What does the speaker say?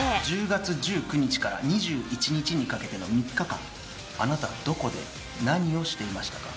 １０月１９日から２１日にかけての３日間あなたはどこで何をしていましたか。